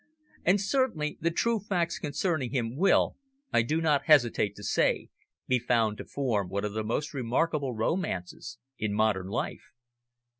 And certainly the true facts concerning him will, I do not hesitate to say, be found to form one of the most remarkable romances in modern life.